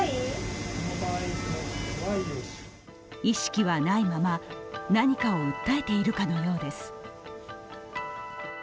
意識はないまま、何かを訴えているかのようです。